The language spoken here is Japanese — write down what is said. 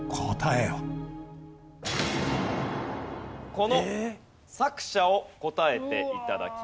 この作者を答えて頂きます。